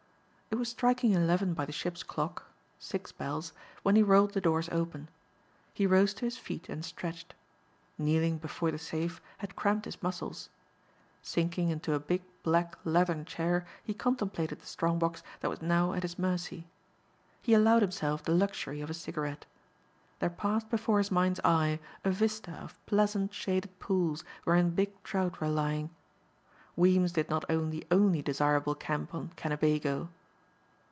It was striking eleven by the ship's clock six bells when he rolled the doors open. He rose to his feet and stretched. Kneeling before the safe had cramped his muscles. Sinking into a big black leathern chair he contemplated the strong box that was now at his mercy. He allowed himself the luxury of a cigarette. There passed before his mind's eye a vista of pleasant shaded pools wherein big trout were lying. Weems did not own the only desirable camp on Kennebago.